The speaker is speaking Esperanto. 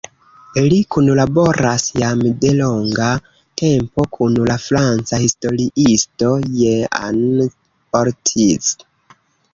Li kunlaboras jam de longa tempo kun la franca historiisto Jean Ortiz.